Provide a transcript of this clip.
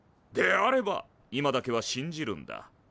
であれば今だけは信じるんだ。